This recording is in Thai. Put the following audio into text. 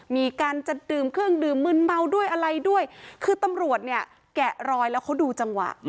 มีการจะดื่มเครื่องดื่มมืนเมาด้วยอะไรด้วยคือตำรวจเนี่ยแกะรอยแล้วเขาดูจังหวะ